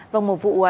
vâng một vụ đánh giá